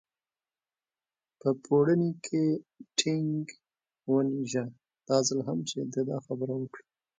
په پوړني کې ټینګ ونېژه، دا ځل هم چې ده دا خبره وکړه.